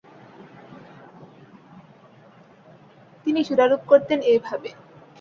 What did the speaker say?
তিনি সুরারোপ করতেন এ ভাবেঃ